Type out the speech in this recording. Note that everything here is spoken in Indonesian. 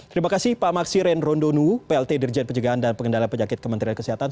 terima kasih pak maksiren rondonu plt dirjen penjagaan dan pengendalian penyakit kementerian kesehatan